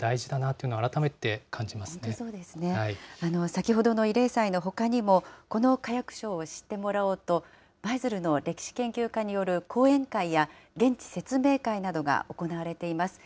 先ほどの慰霊祭のほかにも、この火薬しょうを知ってもらおうと、舞鶴の歴史研究家による講演会や現地説明会などが行われています。